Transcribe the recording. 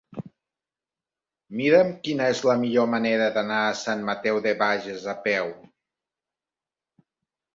Mira'm quina és la millor manera d'anar a Sant Mateu de Bages a peu.